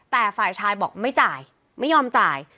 แต่ฝ่ายชายบอกไม่จ่ายไม่ยอมจ่าย